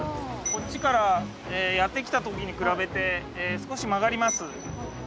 こっちからやって来た時に比べて少し曲がりますはい。